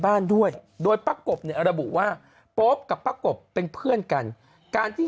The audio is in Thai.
บ้านด้วยโดยป๊ากบระบุว่าป๊อบกับป๊ากบเป็นเพื่อนกันการที่